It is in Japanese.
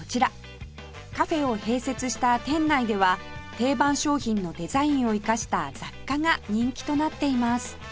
カフェを併設した店内では定番商品のデザインを生かした雑貨が人気となっています